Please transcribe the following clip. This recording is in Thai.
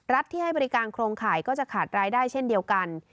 ที่ให้บริการโครงข่ายก็จะขาดรายได้เช่นเดียวกัน